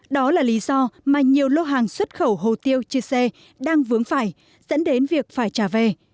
đó là lý do mà nhiều lô hàng xuất khẩu hồ tiêu chư sê đang vướng phải dẫn đến việc phải trả về